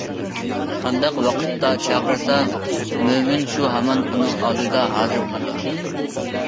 قانداق ۋاقىتتا چاقىرسا مۆمىن شۇ ھامان ئۇنىڭ ئالدىدا ھازىر بولىدۇ.